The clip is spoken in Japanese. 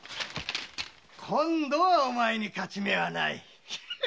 今度はお前に勝ち目はない。